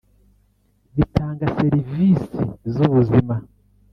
bitanga serivisi z’ubuzima